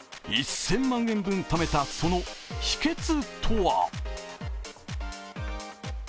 １０００万円分貯めたその秘けつとは？